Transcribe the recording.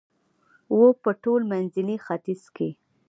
و په ټول منځني ختیځ کې